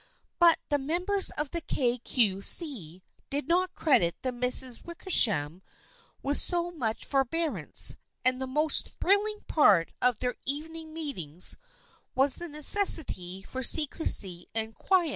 But the members of the Kay Cue See did not credit the Misses Wickersham with so much forbearance, and the most thrilling part of their evening meetings was the necessity for secrecy and quiet.